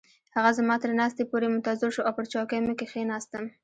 هغه زما تر ناستې پورې منتظر شو او پر چوکۍ مې کښیناستم.